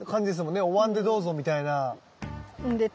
おわんで「どうぞ」みたいな。